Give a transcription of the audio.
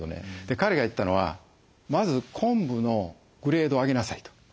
彼が言ったのはまず昆布のグレードを上げなさいと。